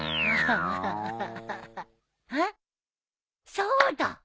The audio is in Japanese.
そうだ！